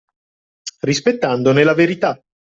Rispettandone la verità.